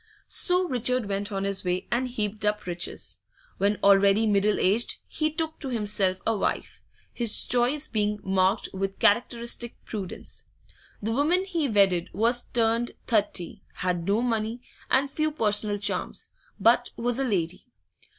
So Richard went on his way and heaped up riches. When already middle aged he took to himself a wife, his choice being marked with characteristic prudence. The woman he wedded was turned thirty, had no money, and few personal charms, but was a lady.